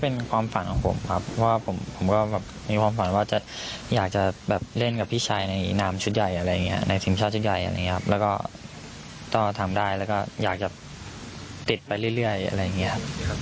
ในสุดใหญ่ในทีมชาติสุดใหญ่และก็ต้องทำได้และก็อยากจะติดไปเรื่อย